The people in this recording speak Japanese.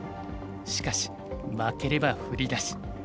しかし負ければ振り出し。